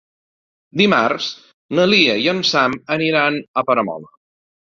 Dimarts na Lia i en Sam aniran a Peramola.